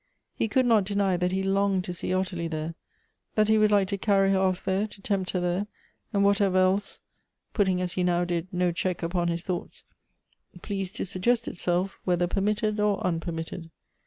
He could not deny that he longed to see Ottilie there ; that he would like to carry her off there, to tempt her there ; and whatever else (putting, as he now did, no check upon his thoughts) pleased to suggest itself, whether permitted or unpermitted.